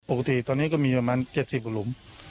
ปกติตอนนี้ก็มีประมาณเจ็ดสิบหลุม